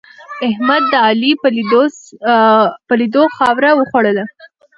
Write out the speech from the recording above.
احمد د علي په لیدو خاوره وخرله.